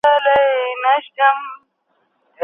افغانستان د بهرنیو کډوالو پر وړاندي د تبعیض پالیسي نه لري.